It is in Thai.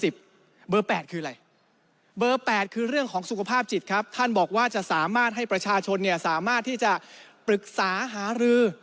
เบอร์๘คืออะไรเบอร์๘คือเรื่องของสุขภาพจิตครับท่านบอกว่าจะสามารถให้ประชาชนสามารถที่จะปรึกษาหารือ